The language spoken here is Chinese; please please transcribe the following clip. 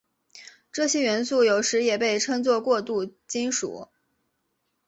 这些元素有时也被称作过渡金属。